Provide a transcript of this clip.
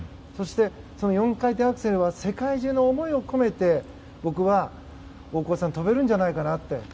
そして、その４回転アクセルは世界中の思いを込めて僕は、大越さん跳べるんじゃないかなって。